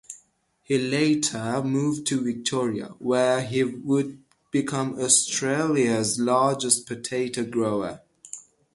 He later moved to Victoria, where he would become Australia's largest potato grower.